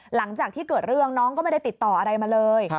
หลังจากที่เกิดเรื่องน้องก็ไม่ได้ติดต่ออะไรมาเลย